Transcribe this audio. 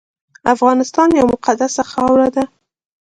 افغانستان یوه مقدسه خاوره ده